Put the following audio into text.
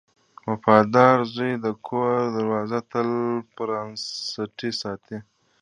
• وفادار زوی د کور دروازه تل پرانستې ساتي.